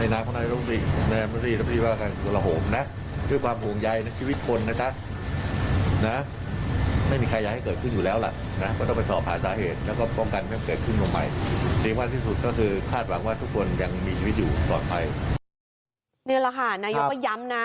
นี่แหละค่ะนายกก็ย้ำนะ